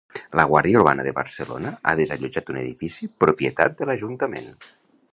La Guàrdia Urbana de Barcelona ha desallotjat un edifici propietat de l'Ajuntament.